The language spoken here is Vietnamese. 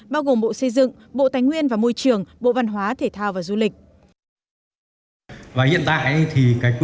bao gồm bộ xây dựng bộ tài nguyên và môi trường bộ văn hóa thể thao và du lịch